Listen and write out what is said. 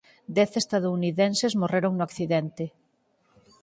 Dez estadounidenses morreron no accidente.